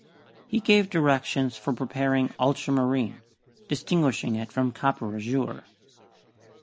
He gave directions for preparing ultramarine, distinguishing it from copper azure.